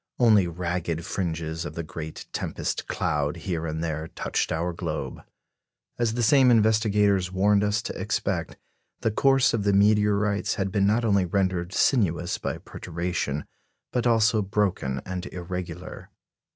Only ragged fringes of the great tempest cloud here and there touched our globe. As the same investigators warned us to expect, the course of the meteorites had been not only rendered sinuous by perturbation, but also broken and irregular.